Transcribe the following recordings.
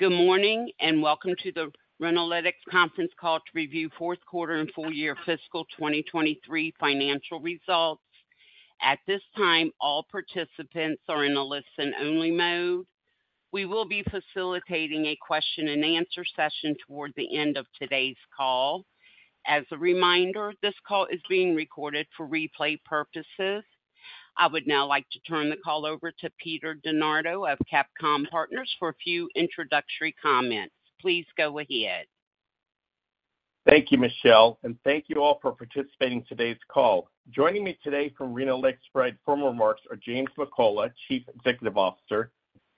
Good morning, and welcome to the Renalytix conference call to review fourth quarter and full year fiscal 2023 financial results. At this time, all participants are in a listen-only mode. We will be facilitating a question-and-answer session toward the end of today's call. As a reminder, this call is being recorded for replay purposes. I would now like to turn the call over to Peter DeNardo of CapComm Partners for a few introductory comments. Please go ahead. Thank you, Michelle, and thank you all for participating in today's call. Joining me today from Renalytix for our remarks are James McCullough, Chief Executive Officer,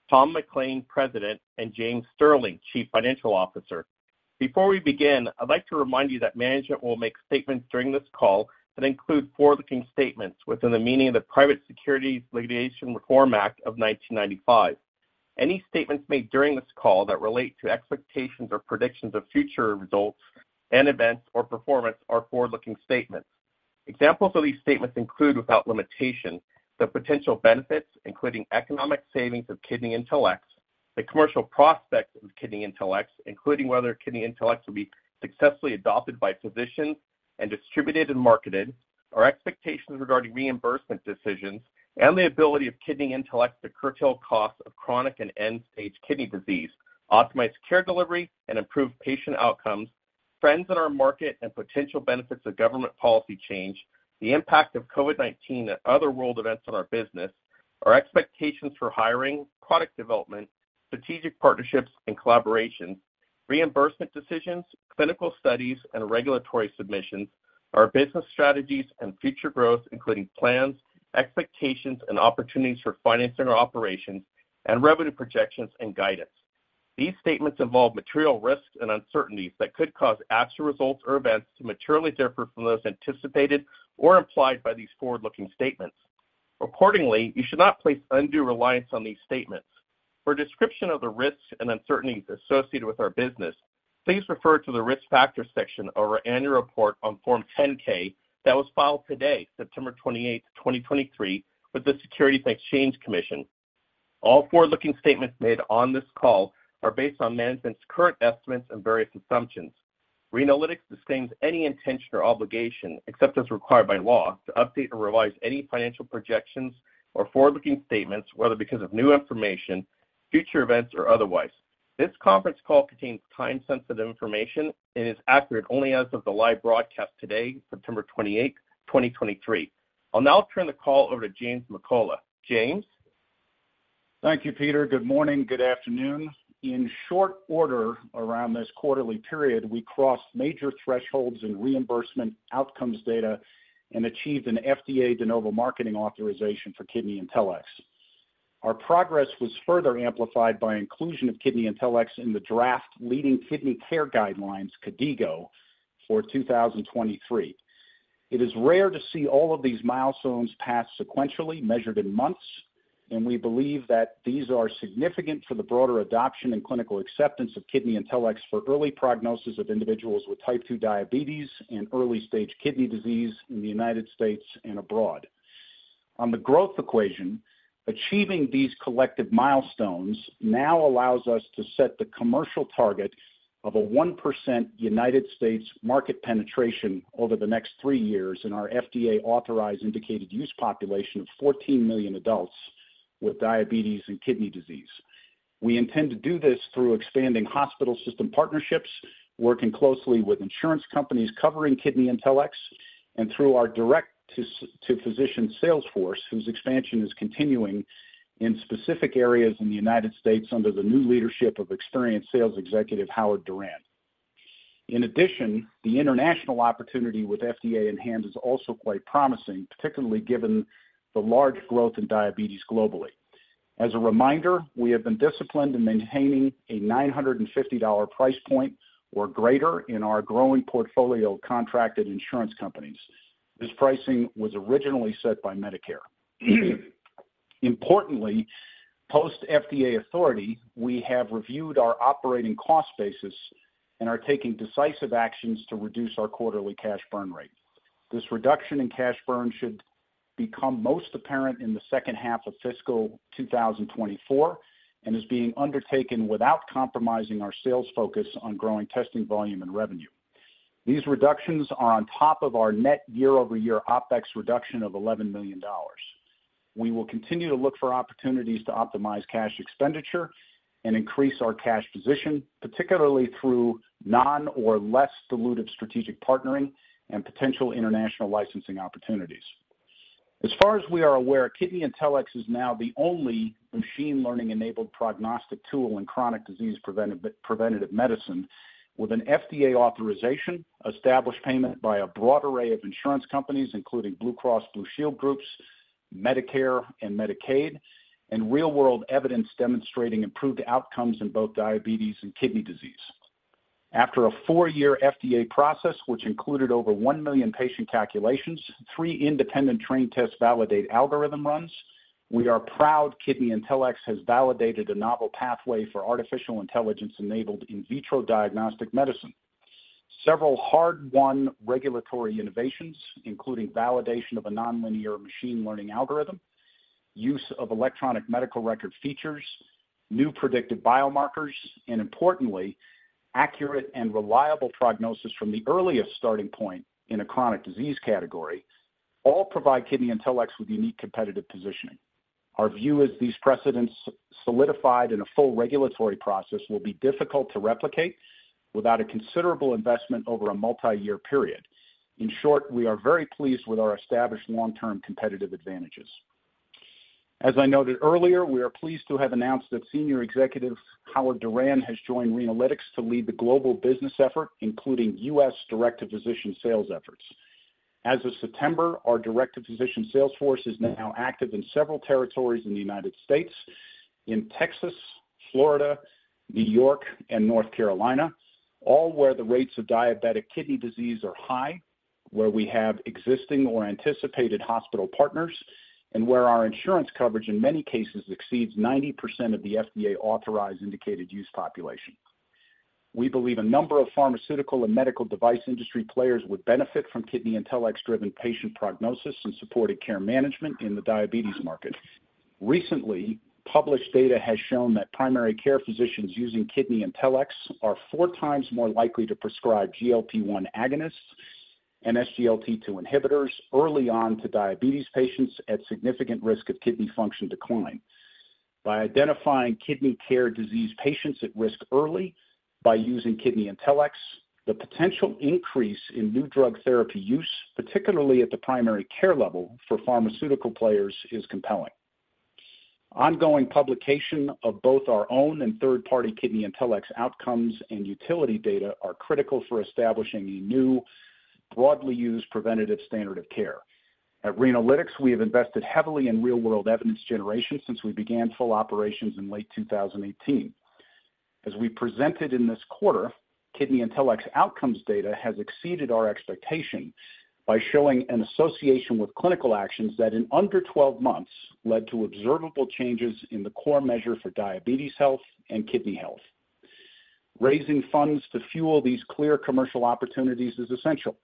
Tom McLain, President, and James Sterling, Chief Financial Officer. Before we begin, I'd like to remind you that management will make statements during this call that include forward-looking statements within the meaning of the Private Securities Litigation Reform Act of 1995. Any statements made during this call that relate to expectations or predictions of future results and events or performance are forward-looking statements. Examples of these statements include, without limitation, the potential benefits, including economic savings of KidneyIntelX, the commercial prospects of KidneyIntelX, including whether KidneyIntelX will be successfully adopted by physicians and distributed and marketed, our expectations regarding reimbursement decisions and the ability of KidneyIntelX to curtail costs of chronic and end-stage kidney disease, optimize care delivery and improve patient outcomes, trends in our market and potential benefits of government policy change, the impact of COVID-19 and other world events on our business, our expectations for hiring, product development, strategic partnerships and collaborations, reimbursement decisions, clinical studies and regulatory submissions, our business strategies and future growth, including plans, expectations, and opportunities for financing our operations, and revenue projections and guidance. These statements involve material risks and uncertainties that could cause actual results or events to materially differ from those anticipated or implied by these forward-looking statements. Accordingly, you should not place undue reliance on these statements. For a description of the risks and uncertainties associated with our business, please refer to the Risk Factors section of our annual report on Form 10-K that was filed today, September 28, 2023, with the Securities and Exchange Commission. All forward-looking statements made on this call are based on management's current estimates and various assumptions. Renalytix disclaims any intention or obligation, except as required by law, to update or revise any financial projections or forward-looking statements, whether because of new information, future events, or otherwise. This conference call contains time-sensitive information and is accurate only as of the live broadcast today, September 28, 2023. I'll now turn the call over to James McCullough. James? Thank you, Peter. Good morning. Good afternoon. In short order, around this quarterly period, we crossed major thresholds in reimbursement outcomes data and achieved an FDA De Novo marketing authorization for KidneyIntelX. Our progress was further amplified by inclusion of KidneyIntelX in the draft KDIGO guidelines for 2023. It is rare to see all of these milestones pass sequentially, measured in months, and we believe that these are significant for the broader adoption and clinical acceptance of KidneyIntelX for early prognosis of individuals with Type 2 diabetes and early-stage kidney disease in the United States and abroad. On the growth equation, achieving these collective milestones now allows us to set the commercial target of 1% United States market penetration over the next three years in our FDA authorized indicated use population of 14 million adults with diabetes and kidney disease. We intend to do this through expanding hospital system partnerships, working closely with insurance companies covering KidneyIntelX, and through our direct to physician sales force, whose expansion is continuing in specific areas in the United States under the new leadership of experienced sales executive, Howard Doran. In addition, the international opportunity with FDA in hand is also quite promising, particularly given the large growth in diabetes globally. As a reminder, we have been disciplined in maintaining a $950 price point or greater in our growing portfolio of contracted insurance companies. This pricing was originally set by Medicare. Importantly, post FDA authority, we have reviewed our operating cost basis and are taking decisive actions to reduce our quarterly cash burn rate. This reduction in cash burn should become most apparent in the second half of fiscal 2024 and is being undertaken without compromising our sales focus on growing testing volume and revenue. These reductions are on top of our net year-over-year OpEx reduction of $11 million. We will continue to look for opportunities to optimize cash expenditure and increase our cash position, particularly through non or less dilutive strategic partnering and potential international licensing opportunities. As far as we are aware, KidneyIntelX is now the only machine learning-enabled prognostic tool in chronic disease preventive, preventive medicine, with an FDA authorization, established payment by a broad array of insurance companies, including Blue Cross Blue Shield groups, Medicare and Medicaid, and real-world evidence demonstrating improved outcomes in both diabetes and kidney disease. After a four-year FDA process, which included over 1 million patient calculations, three independent trained tests validate algorithm runs, we are proud KidneyIntelX has validated a novel pathway for artificial intelligence-enabled in vitro diagnostic medicine. Several hard-won regulatory innovations, including validation of a nonlinear machine learning algorithm, use of electronic medical record features, new predictive biomarkers, and importantly, accurate and reliable prognosis from the earliest starting point in a chronic disease category, all provide KidneyIntelX with unique competitive positioning. Our view is these precedents solidified in a full regulatory process will be difficult to replicate without a considerable investment over a multi-year period. In short, we are very pleased with our established long-term competitive advantages. As I noted earlier, we are pleased to have announced that Senior Executive Howard Doran has joined Renalytix to lead the global business effort, including U.S. direct-to-physician sales efforts. As of September, our direct-to-physician sales force is now active in several territories in the United States, in Texas, Florida, New York, and North Carolina, all where the rates of diabetic kidney disease are high, where we have existing or anticipated hospital partners, and where our insurance coverage in many cases exceeds 90% of the FDA authorized indicated use population. We believe a number of pharmaceutical and medical device industry players would benefit from KidneyIntelX-driven patient prognosis and supported care management in the diabetes market. Recently, published data has shown that primary care physicians using KidneyIntelX are 4x more likely to prescribe GLP-1 agonists and SGLT2 inhibitors early on to diabetes patients at significant risk of kidney function decline. By identifying chronic kidney disease patients at risk early by using KidneyIntelX, the potential increase in new drug therapy use, particularly at the primary care level for pharmaceutical players, is compelling. Ongoing publication of both our own and third-party KidneyIntelX outcomes and utility data are critical for establishing a new, broadly used preventative standard of care. At Renalytix, we have invested heavily in real-world evidence generation since we began full operations in late 2018. As we presented in this quarter, KidneyIntelX outcomes data has exceeded our expectation by showing an association with clinical actions that in under 12 months led to observable changes in the core measure for diabetes health and kidney health. Raising funds to fuel these clear commercial opportunities is essential,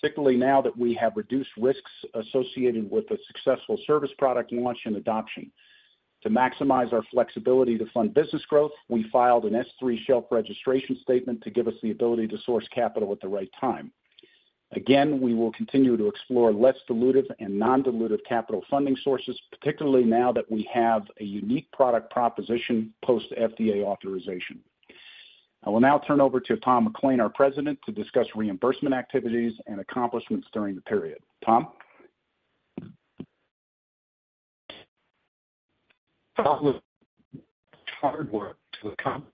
particularly now that we have reduced risks associated with a successful service product launch and adoption. To maximize our flexibility to fund business growth, we filed an S-3 shelf registration statement to give us the ability to source capital at the right time. Again, we will continue to explore less dilutive and non-dilutive capital funding sources, particularly now that we have a unique product proposition post FDA authorization. I will now turn over to Tom McLain, our President, to discuss reimbursement activities and accomplishments during the period. Tom? Following hard work to accomplish.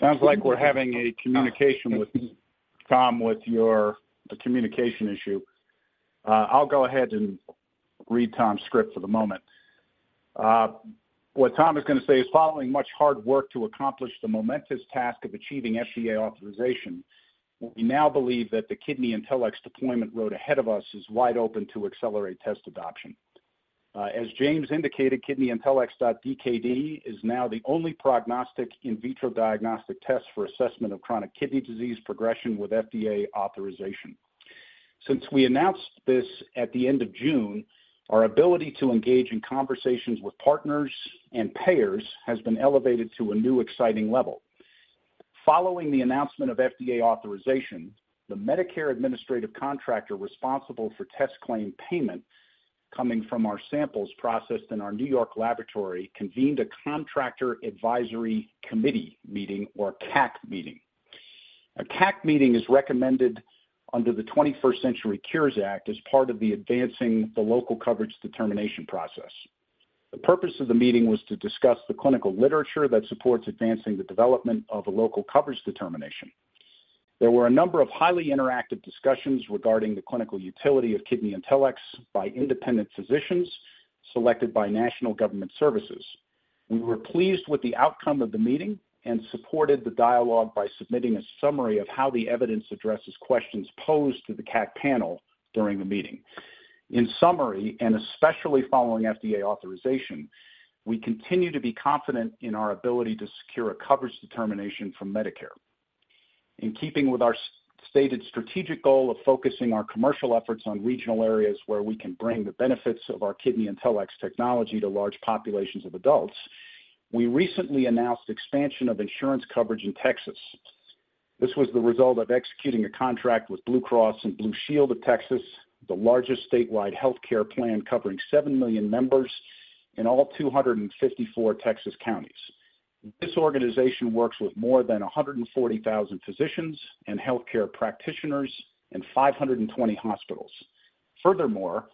Sounds like we're having a communication with Tom, with your communication issue. I'll go ahead and read Tom's script for the moment. What Tom is going to say is, following much hard work to accomplish the momentous task of achieving FDA authorization, we now believe that the KidneyIntelX deployment road ahead of us is wide open to accelerate test adoption. As James indicated, kidneyintelX.dkd is now the only prognostic in vitro diagnostic test for assessment of chronic kidney disease progression with FDA authorization. Since we announced this at the end of June, our ability to engage in conversations with partners and payers has been elevated to a new, exciting level. Following the announcement of FDA authorization, the Medicare administrative contractor responsible for test claim payment coming from our samples processed in our New York laboratory convened a Contractor Advisory Committee meeting, or a CAC meeting. A CAC meeting is recommended under the 21st Century Cures Act as part of the advancing the local coverage determination process. The purpose of the meeting was to discuss the clinical literature that supports advancing the development of a local coverage determination. There were a number of highly interactive discussions regarding the clinical utility of KidneyIntelX by independent physicians selected by National Government Services. We were pleased with the outcome of the meeting and supported the dialogue by submitting a summary of how the evidence addresses questions posed to the CAC panel during the meeting. In summary, and especially following FDA authorization, we continue to be confident in our ability to secure a coverage determination from Medicare. In keeping with our stated strategic goal of focusing our commercial efforts on regional areas where we can bring the benefits of our KidneyIntelX technology to large populations of adults, we recently announced expansion of insurance coverage in Texas. This was the result of executing a contract with Blue Cross and Blue Shield of Texas, the largest statewide healthcare plan, covering 7 million members in all 254 Texas counties. This organization works with more than 140,000 physicians and healthcare practitioners and 520 hospitals. Furthermore,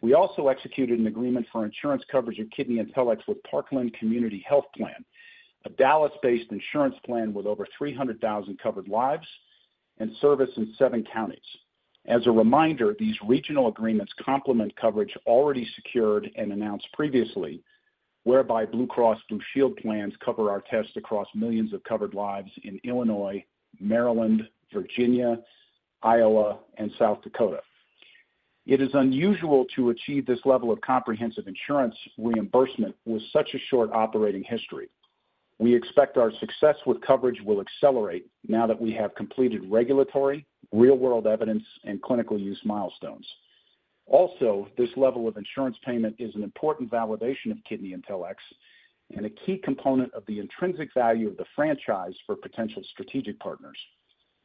we also executed an agreement for insurance coverage of KidneyIntelX with Parkland Community Health Plan, a Dallas-based insurance plan with over 300,000 covered lives and service in seven counties. As a reminder, these regional agreements complement coverage already secured and announced previously. Whereby Blue Cross Blue Shield plans cover our tests across millions of covered lives in Illinois, Maryland, Virginia, Iowa, and South Dakota. It is unusual to achieve this level of comprehensive insurance reimbursement with such a short operating history. We expect our success with coverage will accelerate now that we have completed regulatory, real-world evidence, and clinical use milestones. Also, this level of insurance payment is an important validation of KidneyIntelX and a key component of the intrinsic value of the franchise for potential strategic partners.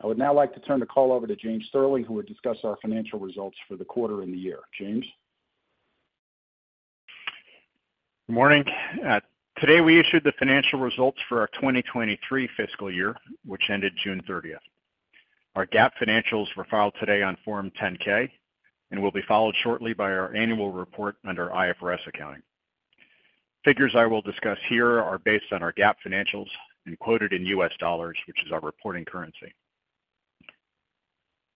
I would now like to turn the call over to James Sterling, who will discuss our financial results for the quarter and the year. James? Good morning. Today, we issued the financial results for our 2023 fiscal year, which ended June 30th. Our GAAP financials were filed today on Form 10-K and will be followed shortly by our annual report under IFRS accounting. Figures I will discuss here are based on our GAAP financials and quoted in U.S. dollars, which is our reporting currency.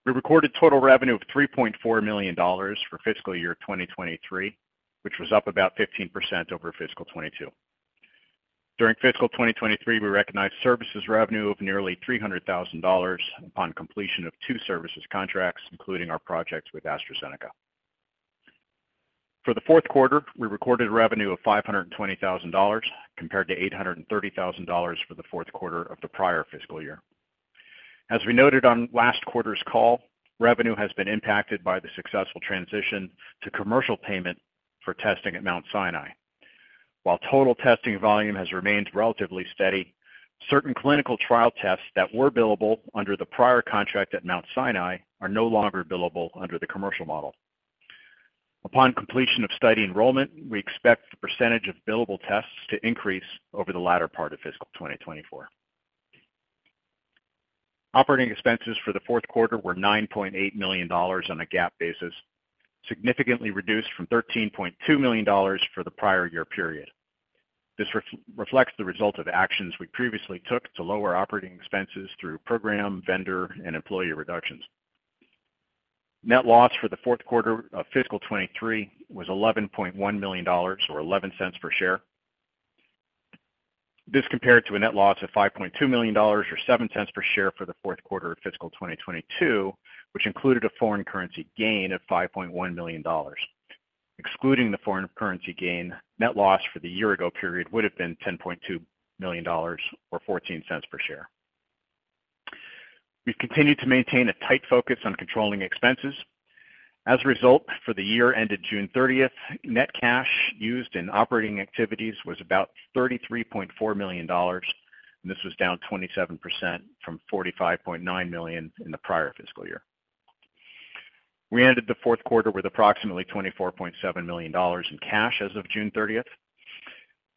We recorded total revenue of $3.4 million for fiscal year 2023, which was up about 15% over fiscal 2022. During fiscal 2023, we recognized services revenue of nearly $300,000 upon completion of two services contracts, including our projects with AstraZeneca. For the fourth quarter, we recorded revenue of $520,000, compared to $830,000 for the fourth quarter of the prior fiscal year. As we noted on last quarter's call, revenue has been impacted by the successful transition to commercial payment for testing at Mount Sinai. While total testing volume has remained relatively steady, certain clinical trial tests that were billable under the prior contract at Mount Sinai are no longer billable under the commercial model. Upon completion of study enrollment, we expect the percentage of billable tests to increase over the latter part of fiscal 2024. Operating expenses for the fourth quarter were $9.8 million on a GAAP basis, significantly reduced from $13.2 million for the prior year period. This reflects the result of actions we previously took to lower operating expenses through program, vendor, and employee reductions. Net loss for the fourth quarter of fiscal 2023 was $11.1 million, or $0.11 per share. This compared to a net loss of $5.2 million, or $0.07 per share for the fourth quarter of fiscal 2022, which included a foreign currency gain of $5.1 million. Excluding the foreign currency gain, net loss for the year ago period would have been $10.2 million, or $0.14 per share. We've continued to maintain a tight focus on controlling expenses. As a result, for the year ended June 30, net cash used in operating activities was about $33.4 million, and this was down 27% from $45.9 million in the prior fiscal year. We ended the fourth quarter with approximately $24.7 million in cash as of June 30,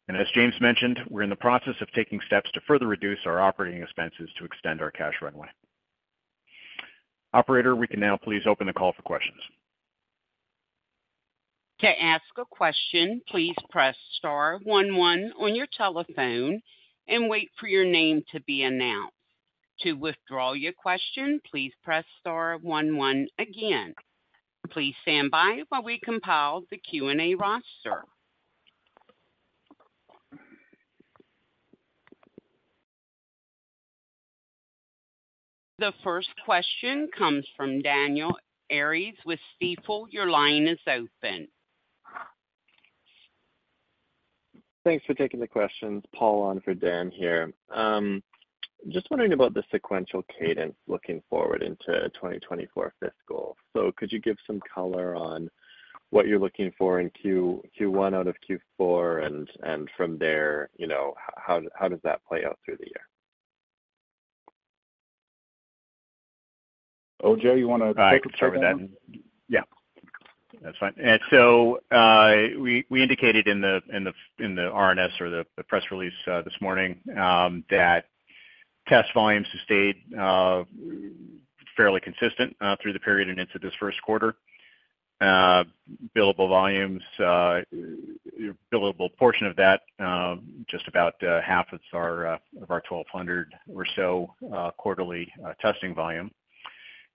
and as James mentioned, we're in the process of taking steps to further reduce our operating expenses to extend our cash runway. Operator, we can now please open the call for questions. To ask a question, please press star one one on your telephone and wait for your name to be announced. To withdraw your question, please press star one one again. Please stand by while we compile the Q&A roster. The first question comes from Daniel Arias with Stifel. Your line is open. Thanks for taking the questions. Paul on for Dan here. Just wondering about the sequential cadence looking forward into 2024 fiscal. So could you give some color on what you're looking for in Q1 out of Q4? And from there, you know, how does that play out through the year? Oh, James, you want to start with that? Yeah, that's fine. So, we indicated in the RNS or the press release this morning that test volumes have stayed fairly consistent through the period and into this first quarter. Billable volumes, billable portion of that, just about half of our 1,200 or so quarterly testing volume.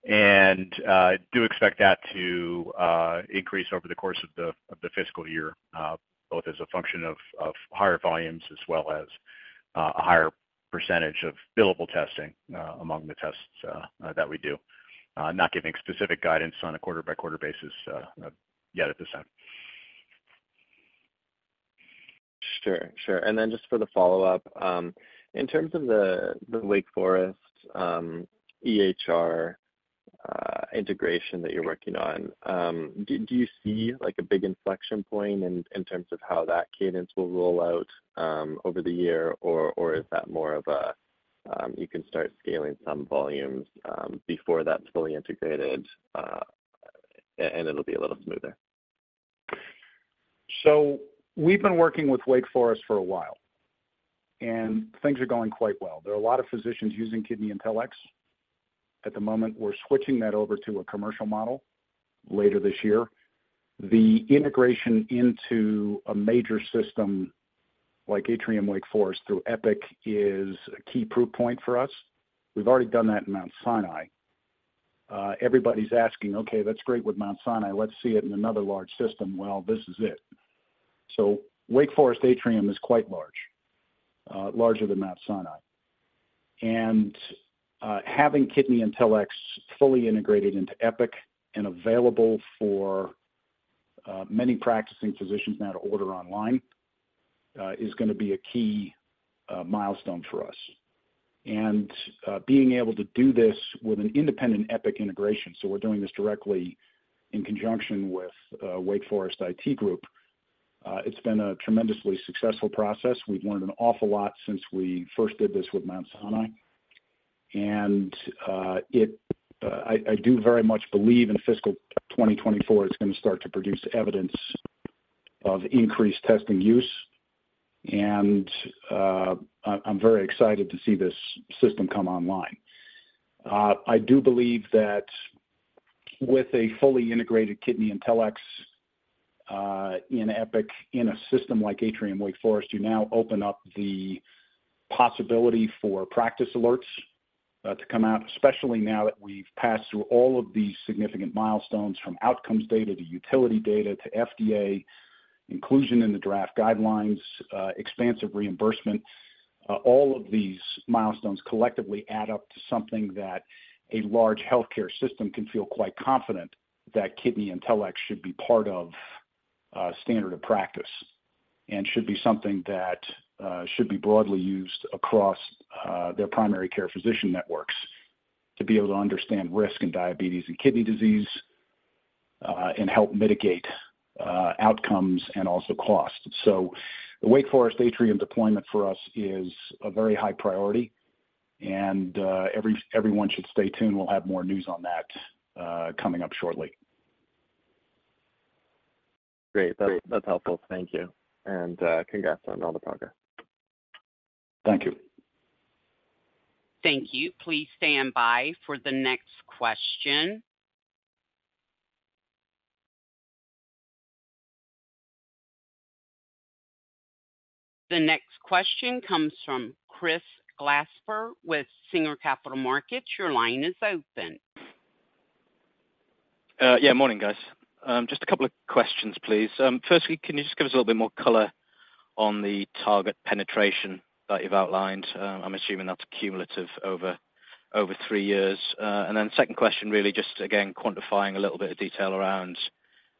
Do expect that to increase over the course of the fiscal year, both as a function of higher volumes as well as a higher percentage of billable testing among the tests that we do. Not giving specific guidance on a quarter-by-quarter basis yet at this time. Sure, sure. And then just for the follow-up, in terms of the Wake Forest EHR integration that you're working on, do you see, like, a big inflection point in terms of how that cadence will roll out over the year? Or is that more of a you can start scaling some volumes before that's fully integrated, and it'll be a little smoother? So we've been working with Wake Forest for a while, and things are going quite well. There are a lot of physicians using KidneyIntelX. At the moment, we're switching that over to a commercial model later this year. The integration into a major system like Atrium Wake Forest through Epic is a key proof point for us. We've already done that in Mount Sinai. Everybody's asking, "Okay, that's great with Mount Sinai, let's see it in another large system." Well, this is it. So Wake Forest Atrium is quite large, larger than Mount Sinai. And having KidneyIntelX fully integrated into Epic and available for many practicing physicians now to order online is gonna be a key milestone for us. Being able to do this with an independent Epic integration, so we're doing this directly in conjunction with Wake Forest IT group, it's been a tremendously successful process. We've learned an awful lot since we first did this with Mount Sinai. I do very much believe in fiscal 2024, it's gonna start to produce evidence of increased testing use, and I'm very excited to see this system come online. I do believe that with a fully integrated KidneyIntelX in Epic, in a system like Atrium Wake Forest, you now open up the possibility for practice alerts to come out, especially now that we've passed through all of these significant milestones, from outcomes data to utility data to FDA inclusion in the draft guidelines, expansive reimbursement. All of these milestones collectively add up to something that a large healthcare system can feel quite confident that KidneyIntelX should be part of a standard of practice, and should be something that should be broadly used across their primary care physician networks to be able to understand risk in diabetes and kidney disease, and help mitigate outcomes and also cost. So the Wake Forest Atrium deployment for us is a very high priority, and everyone should stay tuned. We'll have more news on that coming up shortly. Great. That's, that's helpful. Thank you. Congrats on all the progress. Thank you. Thank you. Please stand by for the next question. The next question comes from Chris Glasper with Singer Capital Markets. Your line is open. Yeah, morning, guys. Just a couple of questions, please. Firstly, can you just give us a little bit more color on the target penetration that you've outlined? I'm assuming that's cumulative over three years. And then second question, really just again, quantifying a little bit of detail around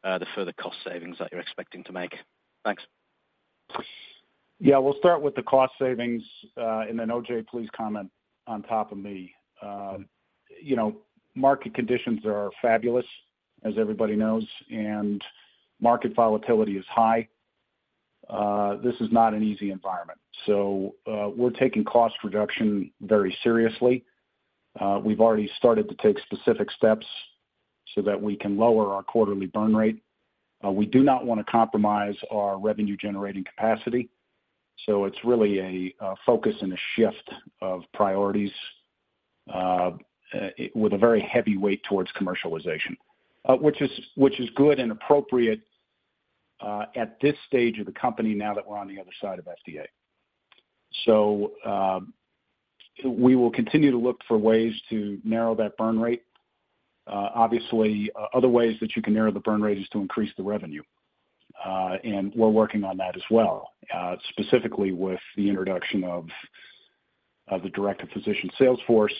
the further cost savings that you're expecting to make. Thanks. Yeah, we'll start with the cost savings, and then O.J., please comment on top of me. You know, market conditions are fabulous, as everybody knows, and market volatility is high. This is not an easy environment, so we're taking cost reduction very seriously. We've already started to take specific steps so that we can lower our quarterly burn rate. We do not wanna compromise our revenue-generating capacity, so it's really a focus and a shift of priorities, with a very heavy weight towards commercialization. Which is good and appropriate, at this stage of the company now that we're on the other side of FDA. So, we will continue to look for ways to narrow that burn rate. Obviously, other ways that you can narrow the burn rate is to increase the revenue, and we're working on that as well, specifically with the introduction of the direct-to-physician sales force.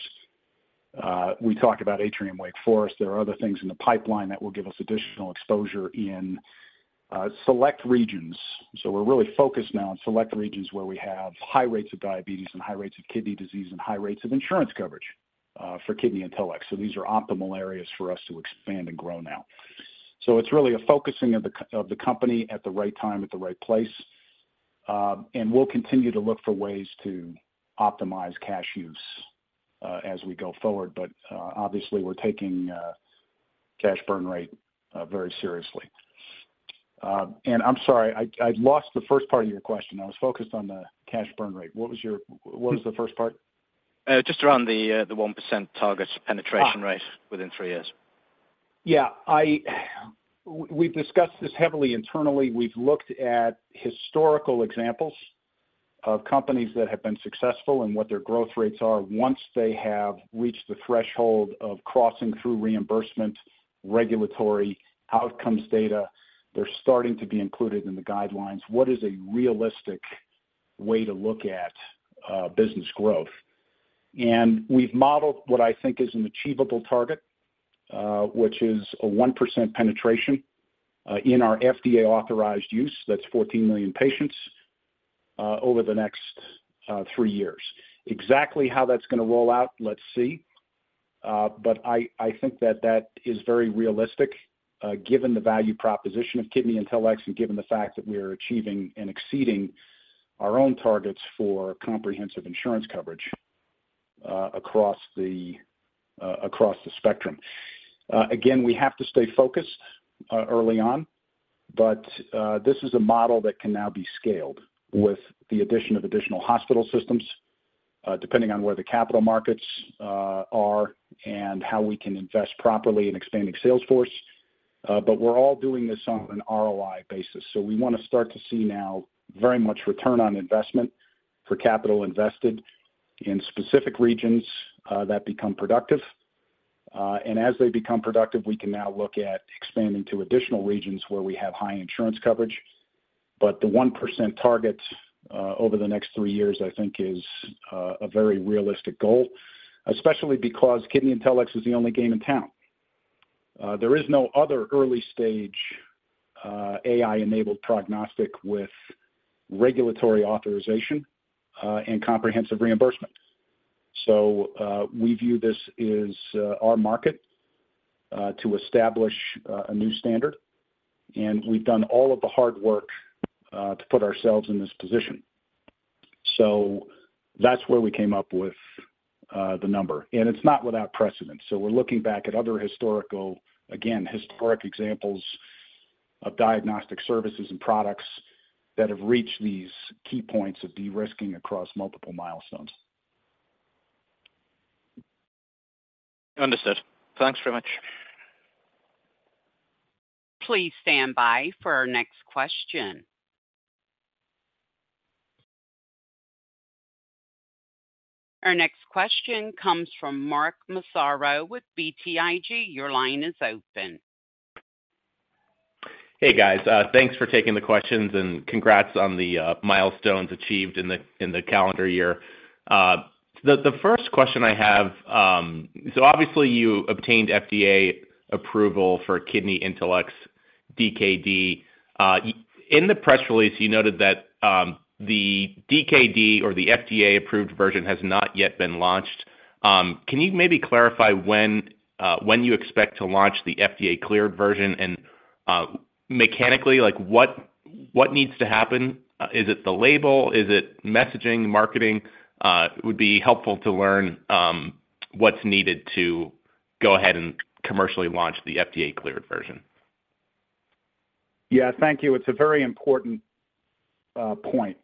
We talked about Atrium Health Wake Forest Baptist. There are other things in the pipeline that will give us additional exposure in select regions. So we're really focused now on select regions where we have high rates of diabetes and high rates of kidney disease and high rates of insurance coverage for KidneyIntelX. So these are optimal areas for us to expand and grow now. So it's really a focusing of the company at the right time, at the right place. And we'll continue to look for ways to optimize cash use, as we go forward, but obviously, we're taking cash burn rate very seriously. And I'm sorry, I lost the first part of your question. I was focused on the cash burn rate. What was your- what was the first part? Just around the 1% target penetration rate within three years. Yeah, we've discussed this heavily internally. We've looked at historical examples of companies that have been successful and what their growth rates are. Once they have reached the threshold of crossing through reimbursement, regulatory, outcomes data, they're starting to be included in the guidelines. What is a realistic way to look at business growth? And we've modeled what I think is an achievable target, which is a 1% penetration in our FDA-authorized use. That's 14 million patients over the next three years. Exactly how that's gonna roll out, let's see. But I think that that is very realistic, given the value proposition of KidneyIntelX and given the fact that we are achieving and exceeding our own targets for comprehensive insurance coverage across the spectrum. Again, we have to stay focused early on, but this is a model that can now be scaled with the addition of additional hospital systems, depending on where the capital markets are and how we can invest properly in expanding sales force. But we're all doing this on an ROI basis. So we wanna start to see now very much return on investment for capital invested in specific regions that become productive. And as they become productive, we can now look at expanding to additional regions where we have high insurance coverage. But the 1% target over the next three years, I think, is a very realistic goal, especially because KidneyIntelX is the only game in town. There is no other early stage AI-enabled prognostic with regulatory authorization and comprehensive reimbursement. We view this as our market to establish a new standard, and we've done all of the hard work to put ourselves in this position. That's where we came up with the number, and it's not without precedent. We're looking back at other historical, again, historic examples of diagnostic services and products that have reached these key points of de-risking across multiple milestones. Understood. Thanks very much. Please stand by for our next question. Our next question comes from Mark Massaro with BTIG. Your line is open. Hey, guys. Thanks for taking the questions, and congrats on the milestones achieved in the calendar year. The first question I have... So obviously, you obtained FDA approval for kidneyintelX.dkd. In the press release, you noted that the DKD or the FDA-approved version has not yet been launched. Can you maybe clarify when you expect to launch the FDA-cleared version? And mechanically, like, what needs to happen? Is it the label? Is it messaging, marketing? It would be helpful to learn what's needed to go ahead and commercially launch the FDA-cleared version. Yeah, thank you. It's a very important point.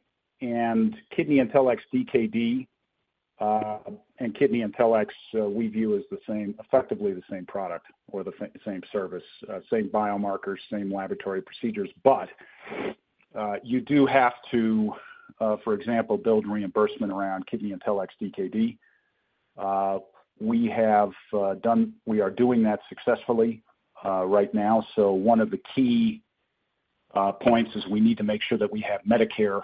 And kidneyintelX.dkd and KidneyIntelX we view as the same- effectively the same product or the same service, same biomarkers, same laboratory procedures. But you do have to, for example, build reimbursement around kidneyintelX.dkd. We have done. We are doing that successfully right now. So one of the key points is we need to make sure that we have Medicare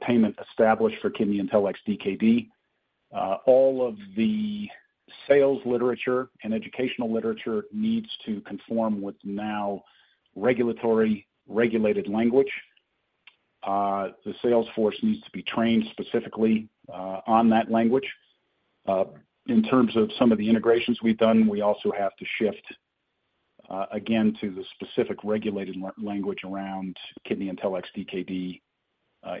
payment established for kidneyintelX.dkd. All of the sales literature and educational literature needs to conform with now regulatory regulated language. The sales force needs to be trained specifically on that language. In terms of some of the integrations we've done, we also have to shift, again, to the specific regulated language around kidneyintelX.dkd,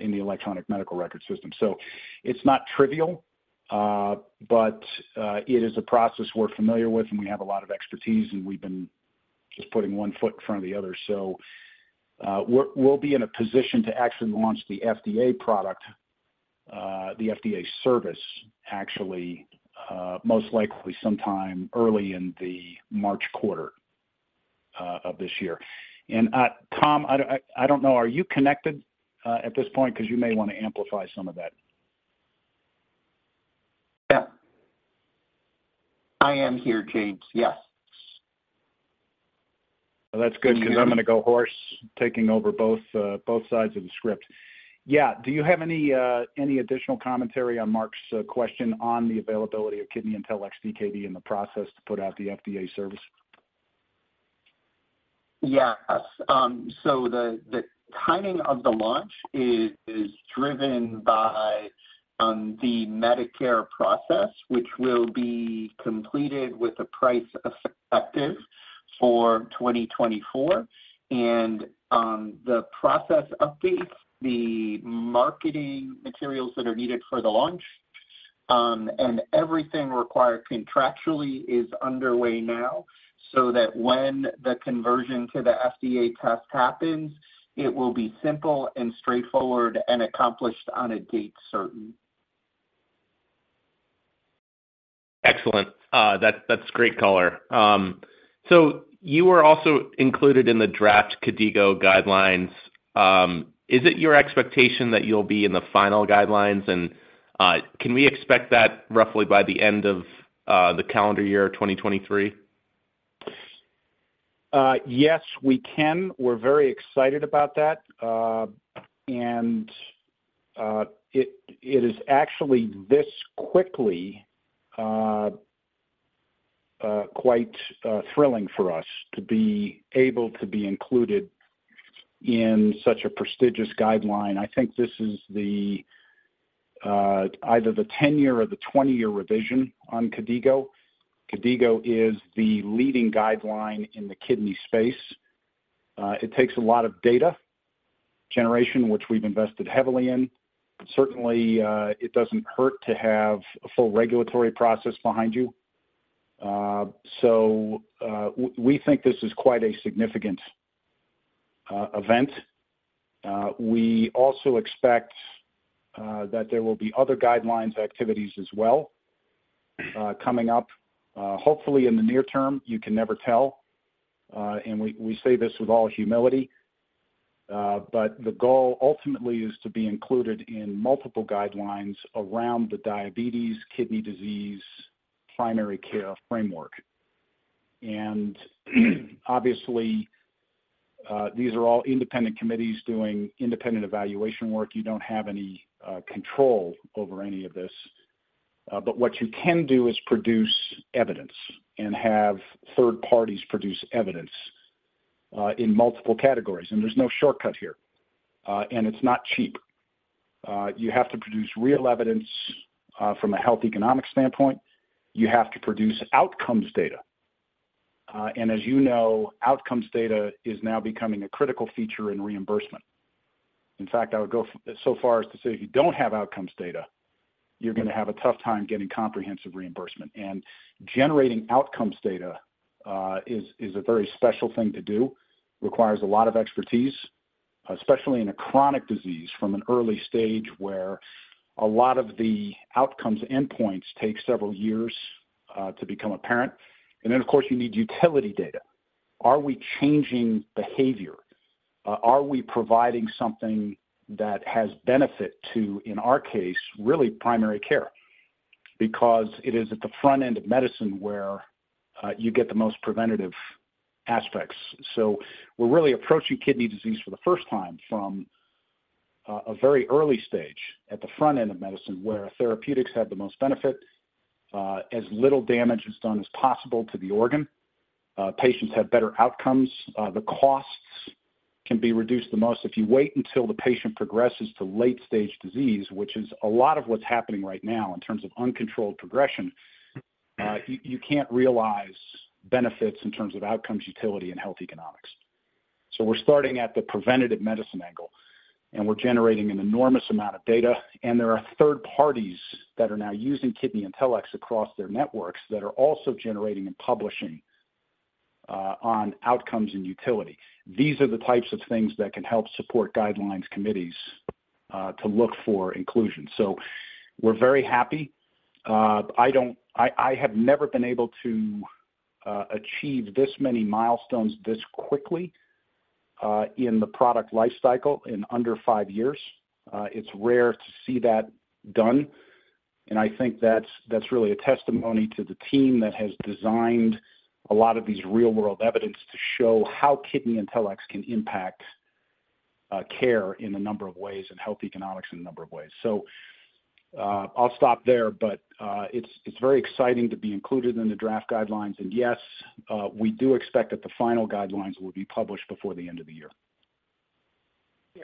in the electronic medical record system. So it's not trivial, but it is a process we're familiar with, and we have a lot of expertise, and we've been just putting one foot in front of the other. So, we're- we'll be in a position to actually launch the FDA product, the FDA service, actually, most likely sometime early in the March quarter, of this year. And, Tom, I don't, I, I don't know, are you connected, at this point? Because you may want to amplify some of that. Yeah. I am here, James. Yes. Well, that's good because I'm gonna go hoarse, taking over both sides of the script. Yeah. Do you have any additional commentary on Mark's question on the availability of kidneyintelX.dkd and the process to put out the FDA service? Yes. So the timing of the launch is driven by the Medicare process, which will be completed with a price effective for 2024. And the process updates, the marketing materials that are needed for the launch, and everything required contractually is underway now, so that when the conversion to the FDA test happens, it will be simple and straightforward and accomplished on a date certain. Excellent. That's, that's great color. So you were also included in the draft KDOQI guidelines. Is it your expectation that you'll be in the final guidelines, and can we expect that roughly by the end of the calendar year 2023? Yes, we can. We're very excited about that. It is actually this quickly quite thrilling for us to be able to be included in such a prestigious guideline. I think this is the either the 10-year or the 20-year revision on KDOQI. KDOQI is the leading guideline in the kidney space. It takes a lot of data generation, which we've invested heavily in. Certainly, it doesn't hurt to have a full regulatory process behind you. We think this is quite a significant event. We also expect that there will be other guidelines activities as well coming up, hopefully in the near term. You can never tell. And we say this with all humility, but the goal ultimately is to be included in multiple guidelines around the diabetes, kidney disease, primary care framework. And obviously, these are all independent committees doing independent evaluation work. You don't have any control over any of this, but what you can do is produce evidence and have third parties produce evidence in multiple categories, and there's no shortcut here, and it's not cheap. You have to produce real evidence from a health economic standpoint. You have to produce outcomes data. And as you know, outcomes data is now becoming a critical feature in reimbursement. In fact, I would go so far as to say, if you don't have outcomes data, you're gonna have a tough time getting comprehensive reimbursement. Generating outcomes data is a very special thing to do, requires a lot of expertise, especially in a chronic disease from an early stage where a lot of the outcomes endpoints take several years to become apparent. Then, of course, you need utility data. Are we changing behavior? Are we providing something that has benefit to, in our case, really primary care? Because it is at the front end of medicine where you get the most preventative aspects. So we're really approaching kidney disease for the first time from a very early stage at the front end of medicine, where therapeutics have the most benefit, as little damage is done as possible to the organ, patients have better outcomes, the costs can be reduced the most. If you wait until the patient progresses to late-stage disease, which is a lot of what's happening right now in terms of uncontrolled progression, you can't realize benefits in terms of outcomes, utility, and health economics. So we're starting at the preventative medicine angle, and we're generating an enormous amount of data, and there are third parties that are now using KidneyIntelX across their networks that are also generating and publishing on outcomes and utility. These are the types of things that can help support guidelines committees to look for inclusion. So we're very happy. I have never been able to achieve this many milestones this quickly in the product life cycle in under five years. It's rare to see that done, and I think that's, that's really a testimony to the team that has designed a lot of these real-world evidence to show how KidneyIntelX can impact, care in a number of ways and health economics in a number of ways. So, I'll stop there, but, it's, it's very exciting to be included in the draft guidelines. And yes, we do expect that the final guidelines will be published before the end of the year.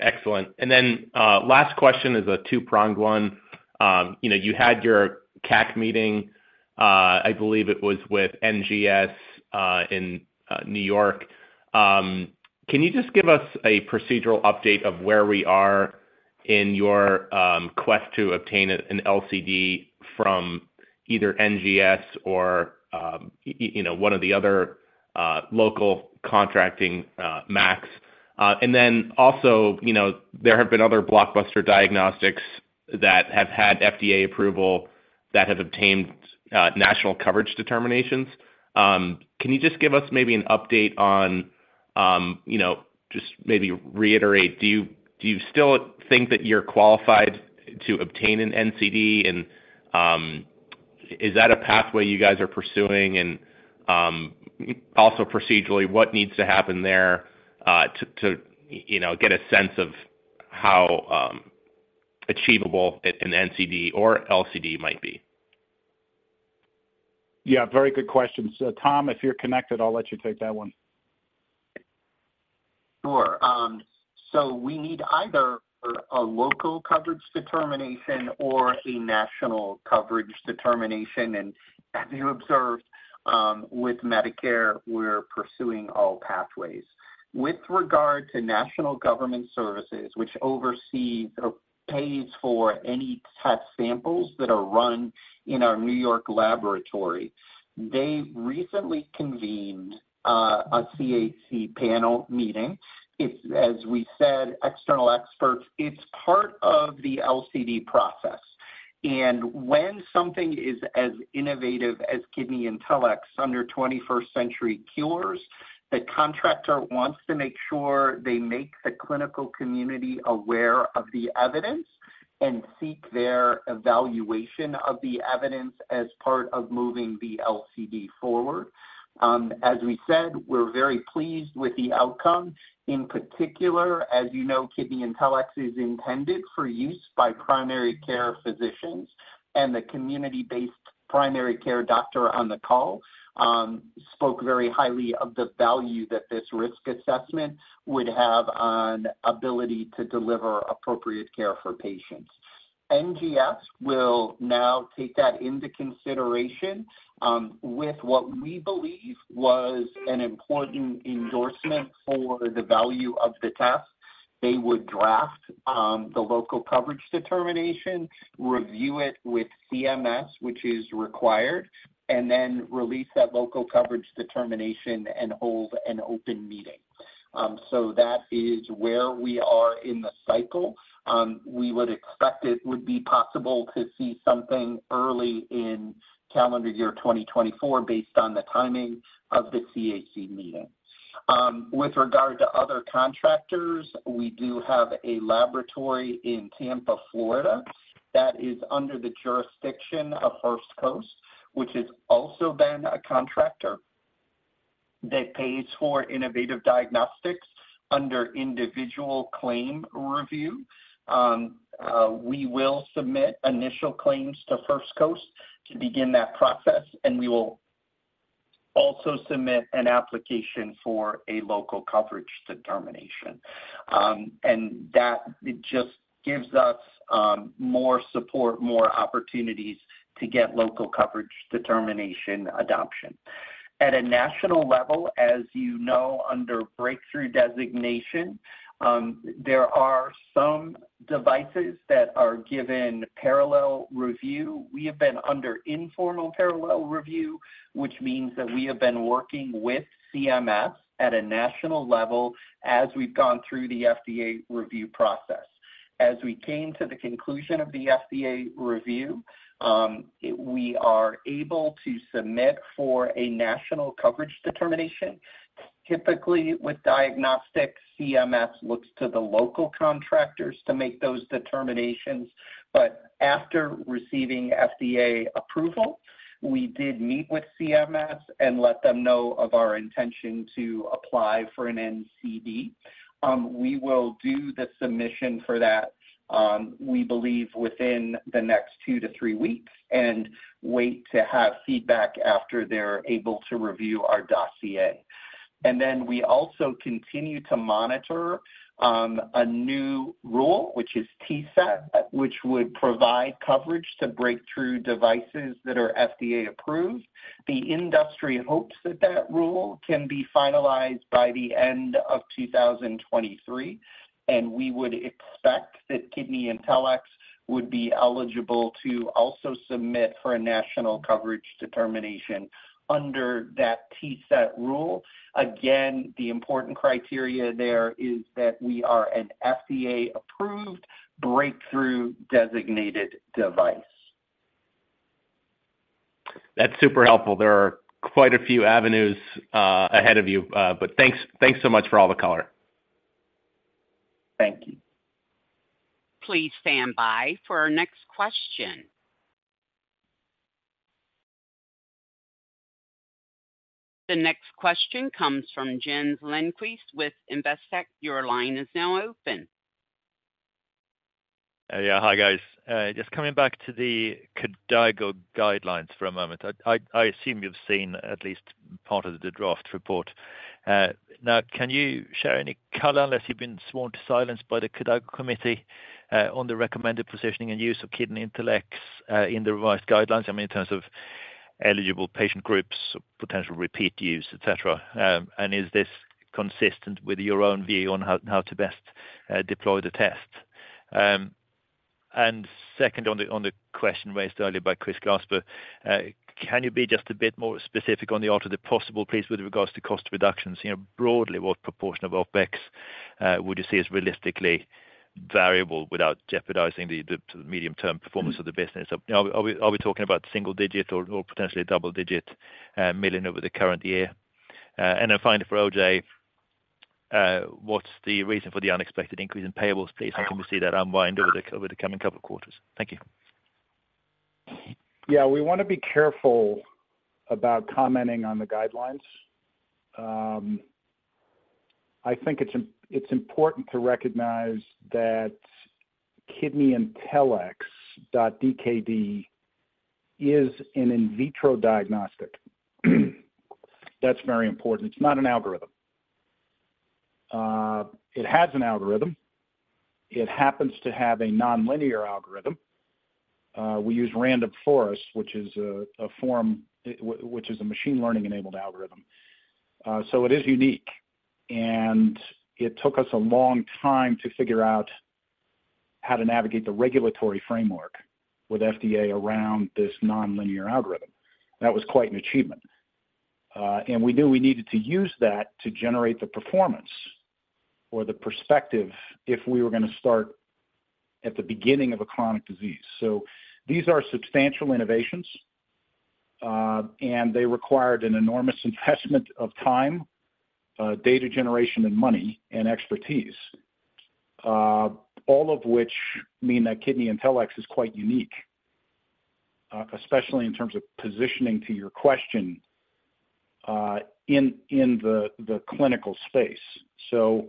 Excellent. And then, last question is a two-pronged one. You know, you had your CAC meeting, I believe it was with NGS, in New York. Can you just give us a procedural update of where we are in your quest to obtain an LCD from either NGS or, you know, one of the other local contracting MACs? And then also, you know, there have been other blockbuster diagnostics that have had FDA approval that have obtained national coverage determinations. Can you just give us maybe an update on, you know, just maybe reiterate, do you still think that you're qualified to obtain an NCD? And, is that a pathway you guys are pursuing? Also, procedurally, what needs to happen there, to you know, get a sense of how achievable an NCD or LCD might be? Yeah, very good question. So Tom, if you're connected, I'll let you take that one. Sure. So we need either a local coverage determination or a national coverage determination. And as you observed, with Medicare, we're pursuing all pathways. With regard to National Government Services, which oversees or pays for any test samples that are run in our New York laboratory, they recently convened a CAC panel meeting. It's, as we said, external experts, it's part of the LCD process. And when something is as innovative as KidneyIntelX under 21st Century Cures, the contractor wants to make sure they make the clinical community aware of the evidence and seek their evaluation of the evidence as part of moving the LCD forward. As we said, we're very pleased with the outcome. In particular, as you know, KidneyIntelX is intended for use by primary care physicians, and the community-based primary care doctor on the call spoke very highly of the value that this risk assessment would have on ability to deliver appropriate care for patients. NGS will now take that into consideration, with what we believe was an important endorsement for the value of the test. They would draft the local coverage determination, review it with CMS, which is required, and then release that local coverage determination and hold an open meeting. So that is where we are in the cycle. We would expect it would be possible to see something early in calendar year 2024, based on the timing of the CAC meeting. With regard to other contractors, we do have a laboratory in Tampa, Florida, that is under the jurisdiction of First Coast, which has also been a contractor that pays for innovative diagnostics under individual claim review. We will submit initial claims to First Coast to begin that process, and we will also submit an application for a Local Coverage Determination. And that just gives us more support, more opportunities to get Local Coverage Determination adoption. At a national level, as you know, under Breakthrough Designation, there are some devices that are given parallel review. We have been under informal parallel review, which means that we have been working with CMS at a national level as we've gone through the FDA review process. As we came to the conclusion of the FDA review, we are able to submit for a National Coverage Determination. Typically, with diagnostics, CMS looks to the local contractors to make those determinations. But after receiving FDA approval, we did meet with CMS and let them know of our intention to apply for an NCD. We will do the submission for that, we believe within the next 2-3 weeks and wait to have feedback after they're able to review our dossier. And then we also continue to monitor, a new rule, which is TCET, which would provide coverage to breakthrough devices that are FDA approved. The industry hopes that that rule can be finalized by the end of 2023, and we would expect that KidneyIntelX would be eligible to also submit for a national coverage determination under that TCET rule. Again, the important criteria there is that we are an FDA-approved breakthrough designated device. That's super helpful. There are quite a few avenues, ahead of you, but thanks, thanks so much for all the color. Thank you. Please stand by for our next question. The next question comes from Jens Lindqvist with Investec. Your line is now open. Yeah. Hi, guys. Just coming back to the KDOQI guidelines for a moment. I assume you've seen at least part of the draft report. Now, can you share any color, unless you've been sworn to silence by the KDOQI committee, on the recommended positioning and use of KidneyIntelX in the revised guidelines? I mean, in terms of eligible patient groups, potential repeat use, et cetera. And is this consistent with your own view on how to best deploy the test? And second, on the question raised earlier by Chris Sherwood, can you be just a bit more specific on the art of the possible, please, with regards to cost reductions? You know, broadly, what proportion of OpEx would you say is realistically variable without jeopardizing the medium-term performance of the business? Are we talking about single digit or potentially double digit million over the current year? And then finally, for O.J., what's the reason for the unexpected increase in payables, please? And can we see that unwind over the coming couple of quarters? Thank you. Yeah, we want to be careful about commenting on the guidelines. I think it's important to recognize that kidneyintelX.dkd is an in vitro diagnostic. That's very important. It's not an algorithm. It has an algorithm. It happens to have a nonlinear algorithm. We use Random Forest, which is a machine learning-enabled algorithm. So it is unique, and it took us a long time to figure out how to navigate the regulatory framework with FDA around this nonlinear algorithm. That was quite an achievement. And we knew we needed to use that to generate the performance or the perspective if we were going to start at the beginning of a chronic disease. So these are substantial innovations, and they required an enormous investment of time, data generation and money and expertise. All of which mean that KidneyIntelX is quite unique, especially in terms of positioning to your question, in the clinical space. So,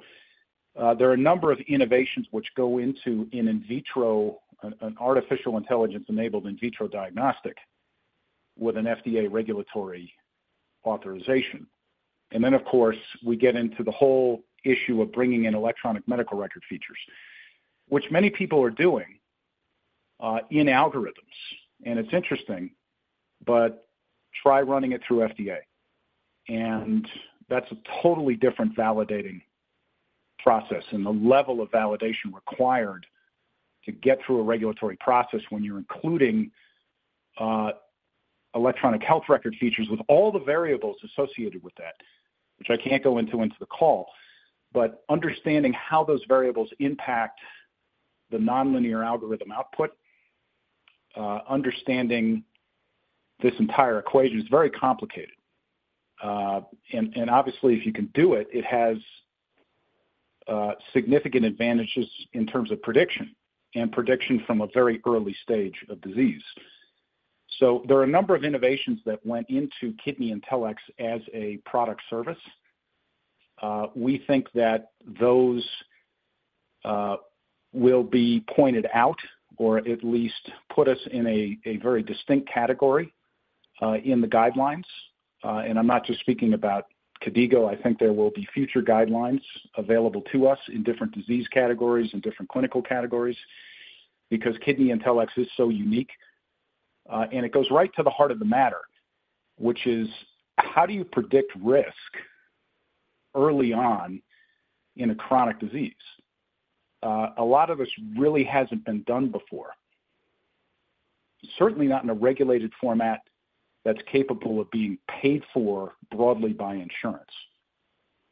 there are a number of innovations which go into an artificial intelligence-enabled in vitro diagnostic with an FDA regulatory authorization. And then, of course, we get into the whole issue of bringing in electronic medical record features, which many people are doing in algorithms, and it's interesting, but try running it through FDA. And that's a totally different validating process and the level of validation required to get through a regulatory process when you're including electronic health record features with all the variables associated with that, which I can't go into the call. But understanding how those variables impact the nonlinear algorithm output, understanding this entire equation is very complicated. And obviously, if you can do it, it has significant advantages in terms of prediction, and prediction from a very early stage of disease. So there are a number of innovations that went into KidneyIntelX as a product service. We think that those will be pointed out or at least put us in a very distinct category in the guidelines. And I'm not just speaking about KDIGO. I think there will be future guidelines available to us in different disease categories and different clinical categories because KidneyIntelX is so unique, and it goes right to the heart of the matter, which is: how do you predict risk early on in a chronic disease? A lot of this really hasn't been done before, certainly not in a regulated format that's capable of being paid for broadly by insurance,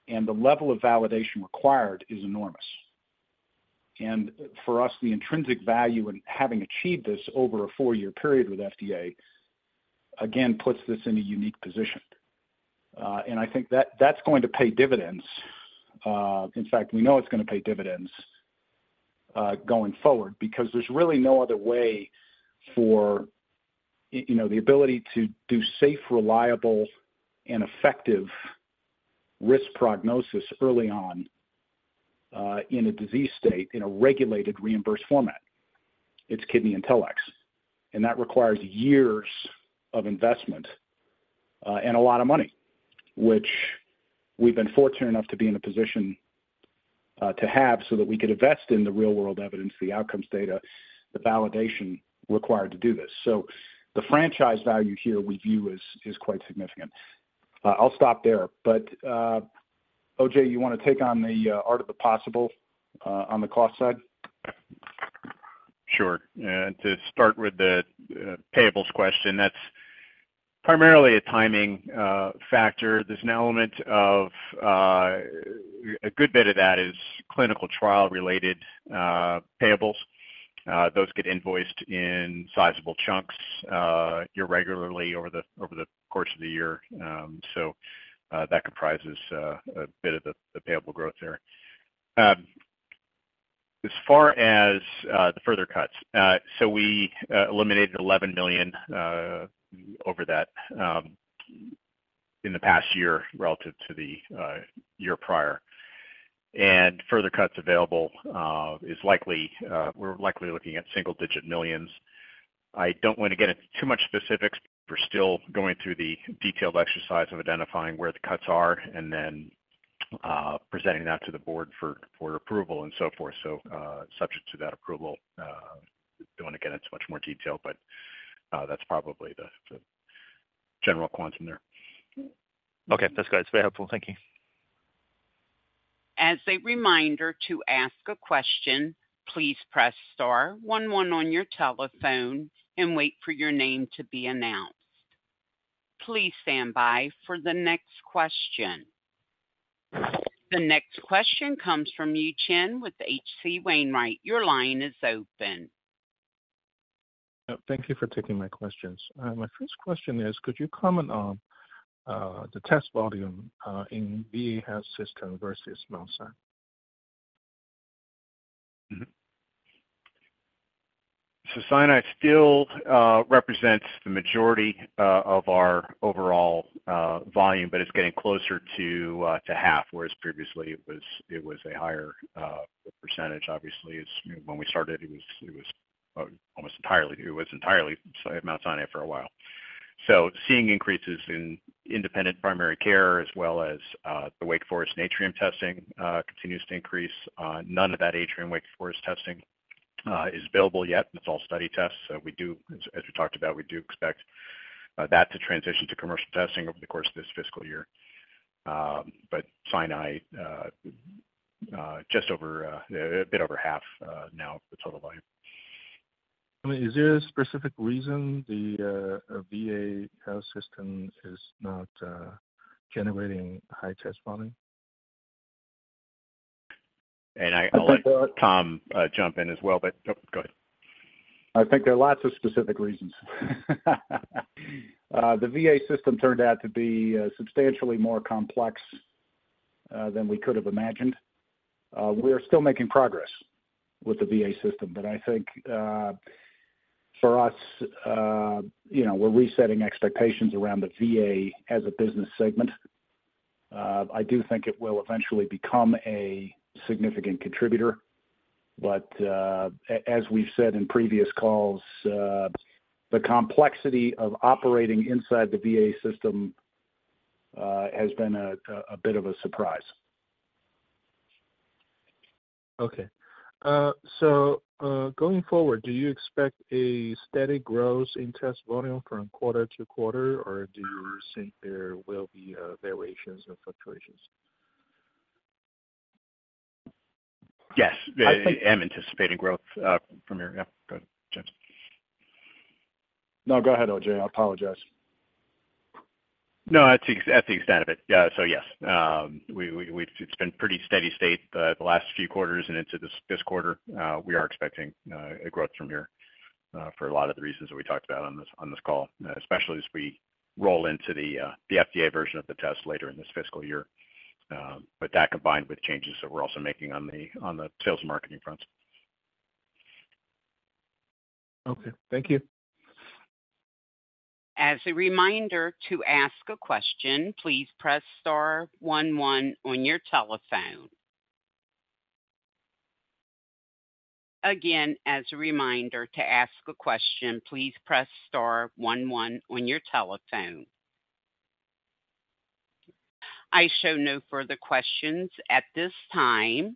and the level of validation required is enormous. And for us, the intrinsic value in having achieved this over a four-year period with FDA, again, puts this in a unique position. And I think that that's going to pay dividends. In fact, we know it's gonna pay dividends going forward because there's really no other way for you know, the ability to do safe, reliable, and effective risk prognosis early on in a disease state, in a regulated, reimbursed format. It's KidneyIntelX, and that requires years of investment, and a lot of money, which we've been fortunate enough to be in a position, to have so that we could invest in the real-world evidence, the outcomes data, the validation required to do this. So the franchise value here we view as, is quite significant. I'll stop there, but, O.J., you wanna take on the, art of the possible, on the cost side? Sure. To start with the payables question, that's primarily a timing factor. There's an element of... A good bit of that is clinical trial-related payables. Those get invoiced in sizable chunks irregularly over the course of the year. So, that comprises a bit of the payable growth there. As far as the further cuts, we eliminated $11 million over that in the past year relative to the year prior. Further cuts available is likely, we're likely looking at single-digit millions. I don't want to get into too much specifics. We're still going through the detailed exercise of identifying where the cuts are and then presenting that to the board for approval and so forth. So, subject to that approval, don't wanna get into much more detail, but, that's probably the general quantum there. Okay, that's good. It's very helpful. Thank you. As a reminder, to ask a question, please press star one one on your telephone and wait for your name to be announced. Please stand by for the next question. The next question comes from Yi Chen with H.C. Wainwright. Your line is open. Thank you for taking my questions. My first question is, could you comment on the test volume in VA Health System versus Mount Sinai? So Mount Sinai still represents the majority of our overall volume, but it's getting closer to half, whereas previously it was a higher percentage. Obviously, when we started, it was entirely Mount Sinai for a while. So seeing increases in independent primary care as well as the Wake Forest Atrium testing continues to increase. None of that Atrium Wake Forest testing is available yet. It's all study tests. So we do, as we talked about, we do expect that to transition to commercial testing over the course of this fiscal year. But Mount Sinai just over a bit over half now of the total volume. I mean, is there a specific reason the VA Health System is not generating high test volume? I, I'll let Tom jump in as well. But, oh, go ahead. I think there are lots of specific reasons. The VA system turned out to be substantially more complex than we could have imagined. We are still making progress with the VA system, but I think, for us, you know, we're resetting expectations around the VA as a business segment. I do think it will eventually become a significant contributor, but, as we've said in previous calls, the complexity of operating inside the VA system has been a bit of a surprise. Okay. So, going forward, do you expect a steady growth in test volume from quarter to quarter, or do you think there will be variations or fluctuations? Yes, I am anticipating growth from here. Yeah, go ahead, James. No, go ahead, O.J. I apologize. No, that's the, that's the extent of it. So yes, it's been pretty steady state the last few quarters and into this quarter. We are expecting a growth from here for a lot of the reasons that we talked about on this call, especially as we roll into the FDA version of the test later in this fiscal year. But that combined with changes that we're also making on the sales and marketing front. Okay, thank you. As a reminder, to ask a question, please press star one one on your telephone. Again, as a reminder, to ask a question, please press star one one on your telephone. I show no further questions at this time.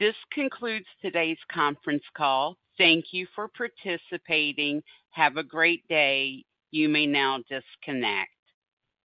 This concludes today's conference call. Thank you for participating. Have a great day. You may now disconnect.